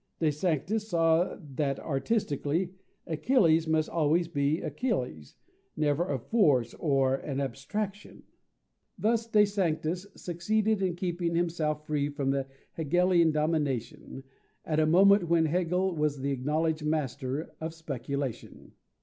De Sanctis saw that, artistically, Achilles must always be Achilles, never a force or an abstraction. Thus De Sanctis succeeded in keeping himself free from the Hegelian domination, at a moment when Hegel was the acknowledged master of speculation.